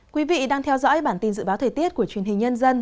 quý vị đang theo dõi bản tin dự báo thời tiết của truyền hình nhân dân